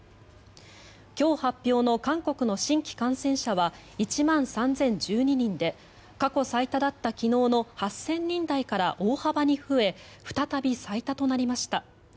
今日発表の韓国の新規感染者は１万３０１２人で過去最多だった昨日の８０００人台から大幅に増え再び最多となりました。